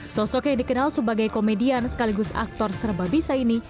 sosok yang dikenal sebagai komedian sekaligus aktor serba bisa ini